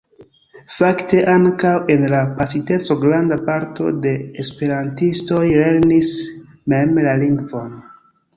Fakte ankaŭ en la pasinteco granda parto de esperantistoj lernis mem la lingvon.